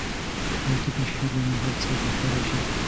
که ته کوشش وکړې نو هر څه زده کولای سې.